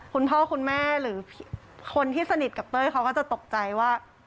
คุณพ่อคุณแม่หรือคนที่สนิทกับเต้ยเขาก็จะตกใจว่า